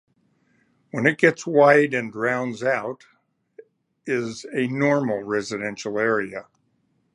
Where it gets wide and rounds out is a normal residential area.